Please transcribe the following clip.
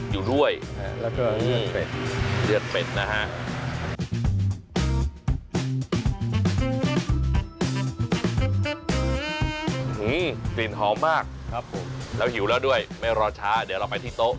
หืมกลิ่นหอมมากครับผมเราหิวแล้วด้วยไม่รอช้าเดี๋ยวเราไปที่โต๊ะ